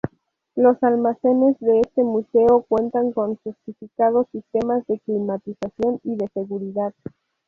Los almacenes de este museo cuentan con sofisticados sistemas de climatización y de seguridad.